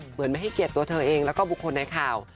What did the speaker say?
เหมือนไม่ให้เกียรติตัวเธอเองแล้วก็บุคคลในข่าว